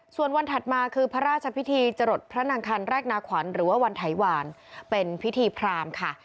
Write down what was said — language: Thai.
ส่วนวันถัดมาคือพระราชพิธีจรดพระนางคันแรกนาขวัญหรือว่าวันไถหวานเป็นพิธีพรามค่ะ